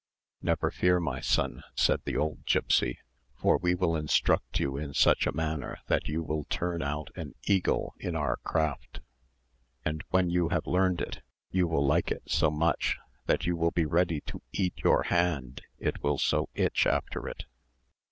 "Never fear, my son," said the old gipsy; "for we will instruct you in such a manner that you will turn out an eagle in our craft; and when you have learned it, you will like it so much, that you will be ready to eat your hand, it will so itch after it.